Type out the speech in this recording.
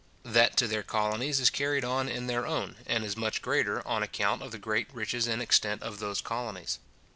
That to their colonies is carried on in their own, and is much greater, on account of the great riches and extent of those colonies.